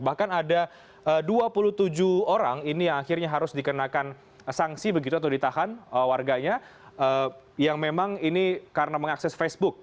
bahkan ada dua puluh tujuh orang ini yang akhirnya harus dikenakan sanksi begitu atau ditahan warganya yang memang ini karena mengakses facebook